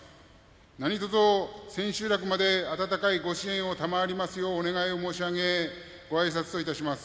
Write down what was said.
何とぞ、千秋楽まで温かいご支援を賜りますようお願いを申し上げごあいさつといたします。